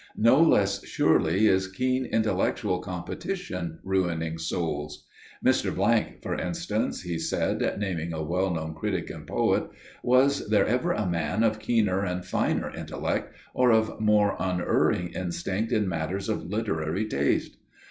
No less surely is keen intellectual competition ruining souls. Mr. ––––, for instance," he said, naming a well known critic and poet; "was there ever a man of keener and finer intellect, or of more unerring instinct in matters of literary taste?